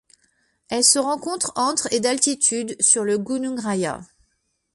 Elle se rencontre entre et d'altitude sur le Gunung Raya.